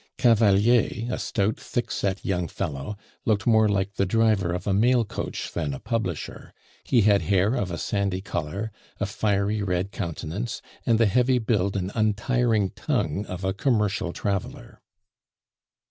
Cavalier, a stout, thick set young fellow, looked more like the driver of a mail coach than a publisher; he had hair of a sandy color, a fiery red countenance, and the heavy build and untiring tongue of a commercial traveler.